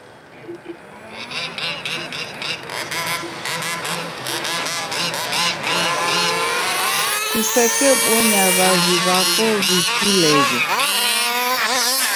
kusekebonya w'avi w'ako w'ikuleghe.